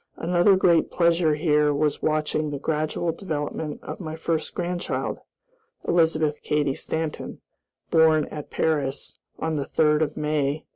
Another great pleasure here was watching the gradual development of my first grandchild, Elizabeth Cady Stanton, born at Paris, on the 3d of May, 1882.